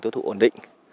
tiêu thụ ổn định